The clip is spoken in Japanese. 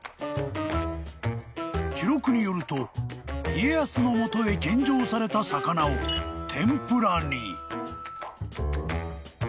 ［記録によると家康の元へ献上された魚を天ぷらに］